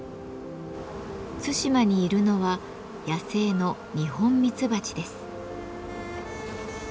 対馬にいるのは野生のニホンミツバチです。